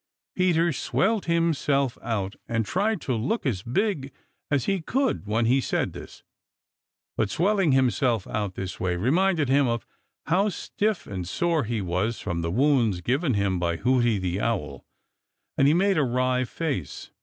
Peter swelled himself out and tried to look as big as he could when he said this, but swelling himself out this way reminded him of how stiff and sore he was from the wounds given him by Hooty the Owl, and he made a wry face.